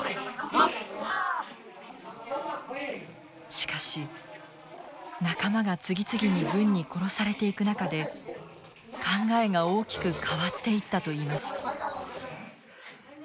しかし仲間が次々に軍に殺されていく中で考えが大きく変わっていったといいます。